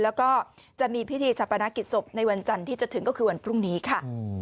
แล้วก็จะมีพิธีชาปนกิจศพในวันจันทร์ที่จะถึงก็คือวันพรุ่งนี้ค่ะ